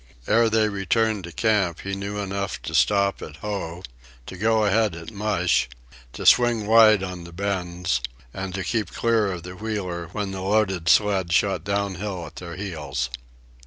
Ere they returned to camp he knew enough to stop at "ho," to go ahead at "mush," to swing wide on the bends, and to keep clear of the wheeler when the loaded sled shot downhill at their heels.